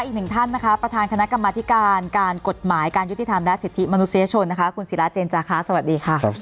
อีกหนึ่งท่านนะคะประธานคณะกรรมธิการการกฎหมายการยุติธรรมและสิทธิมนุษยชนนะคะคุณศิราเจนจาคะสวัสดีค่ะ